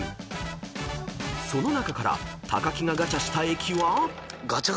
［その中から木がガチャした駅は］